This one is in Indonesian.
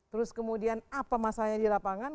terus kemudian apa masalahnya di lapangan